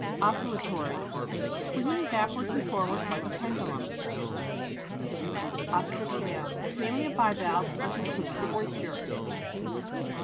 OSCILLA'TORY Swinging backwards and forwards like a pendulum. OSTRA'CEA Family of bivalves which includes the oyster.